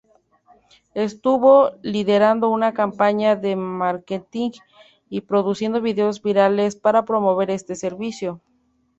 Estuvo liderando una campaña de marketing y produciendo vídeos virales para promover este servicio.